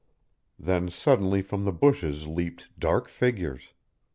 ] Then suddenly from the bushes leaped dark figures.